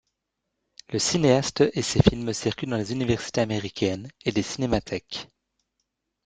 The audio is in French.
Le cinéaste et ses films circulent dans les universités américaines et les cinémathèques.